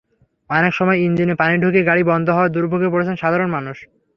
অনেক সময় ইঞ্জিনে পানি ঢুকে গাড়ি বন্ধ হওয়ায় দুর্ভোগে পড়ছেন সাধারণ মানুষ।